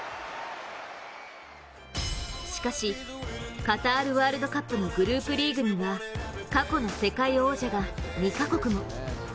しかし、カタールワールドカップのグループリーグには過去の世界王者が２か国も。